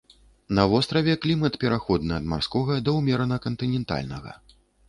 На востраве клімат пераходны ад марскога да ўмерана-кантынентальнага.